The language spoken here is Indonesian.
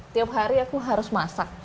tiap hari aku harus masak